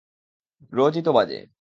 রোজই তো বাজে।